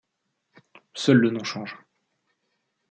Seul le nom change.